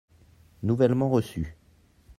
nouvellement reçu.